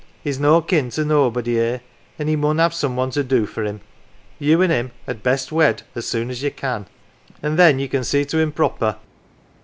He's no kin to nobody 'ere, an' he mun have some one to do for him. You an' him had best wed as soon as you can, an' then ye 92 NANCY can see to him proper.